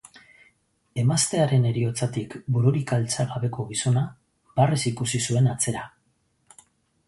Emaztearen heriotzatik bururik altxa gabeko gizona barrez ikusi zuen atzera.